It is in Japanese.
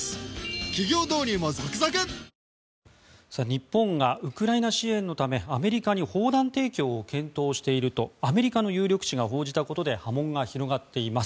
日本がウクライナ支援のためアメリカに砲弾提供を検討しているとアメリカの有力紙が報じたことで波紋が広がっています。